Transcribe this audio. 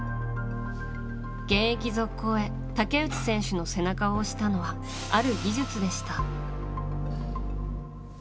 現役続行へ竹内選手の背中を押したのはある技術でした。